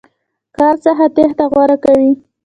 کار څخه تېښته غوره کوي.